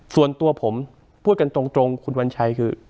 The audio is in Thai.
ส่วนตัวผมพูดกันตรงคุณวัญชัยคือ